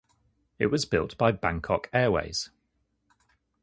It was built by Bangkok Airways.